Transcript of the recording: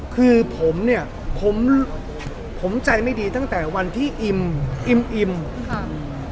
คือผมเนี่ยผมผมใจไม่ดีตั้งแต่วันที่อิ่มอิ่มอิ่มค่ะ